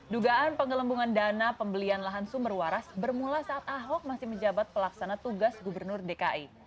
dugaan penggelembungan dana pembelian lahan sumber waras bermula saat ahok masih menjabat pelaksana tugas gubernur dki